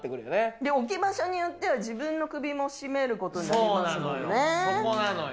でも置き場所によっては自分の首も絞めることになりますもんそうなのよ。